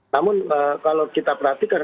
namun kalau kita perhatikan